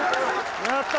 やった！